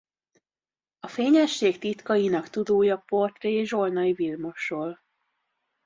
A fényesség titkainak tudója portré Zsolnay Vilmosról.